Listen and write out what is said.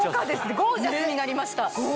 ゴージャスになりました！